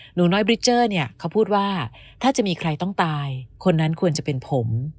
หนูน้อยบริเจอร์เนี่ยเขาพูดว่าถ้าจะมีใครต้องตายคนนั้นควรจะเป็นผม